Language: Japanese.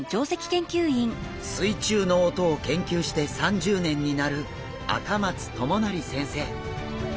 水中の音を研究して３０年になる赤松友成先生。